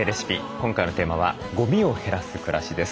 今回のテーマは「ゴミを減らす暮らし」です。